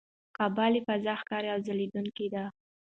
کعبه له فضا ښکاره او ځلېدونکې ده.